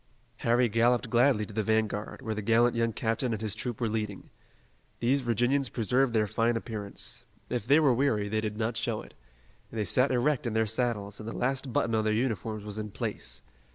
Harry galloped gladly to the vanguard, where the gallant young captain and his troop were leading. These Virginians preserved their fine appearance. If they were weary they did not show it. They sat erect in their saddles and the last button on their uniforms was in place.